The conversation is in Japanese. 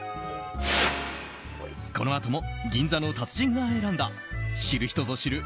このあとも、銀座の達人が選んだ知る人ぞ知る